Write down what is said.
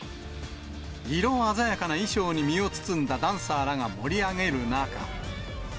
色鮮やかな衣装に身を包んだダンサーらが盛り上げる中。